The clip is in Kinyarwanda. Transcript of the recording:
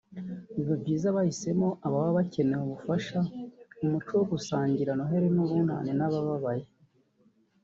Biba byiza bahisemo ababa bakeneye ubufasha mu muco wo gusangira Noheli n’Ubunani n’ababaye